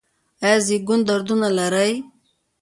ایا د زیږون دردونه لرئ؟